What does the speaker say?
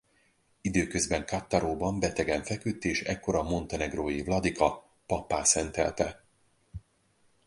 Időközben Cattaróban betegen feküdt és ekkor a montenegrói vladika pappá szentelte.